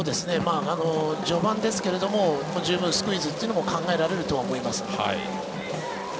序盤ですが十分スクイズというのも考えられると思います。